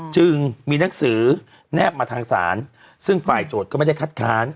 จึงมีหนังสือแนบมาทางศาลซึ่งฝ่ายโจทย์ก็ไม่ได้คัดค้าน